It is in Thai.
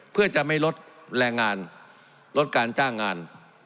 เพื่อจะไม่ลดแรงงานลดการจ้างงาน